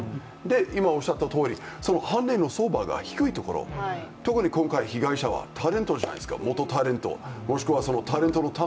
今、おっしゃったとおり判例の相場が低いところ、特に今回被害者はタレントじゃないですか、元タレントもしくはタレントの卵。